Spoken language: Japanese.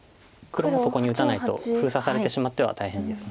黒もそこに打たないと封鎖されてしまっては大変です。